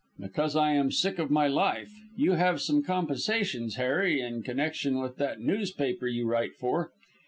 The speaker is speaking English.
"Because I am sick of my life. You have some compensations, Harry, in connection with that newspaper you write for.